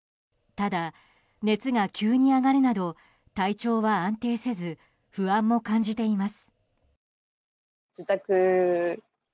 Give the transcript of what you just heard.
ただ熱が急に上がるなど体調は安定せず不安も感じています。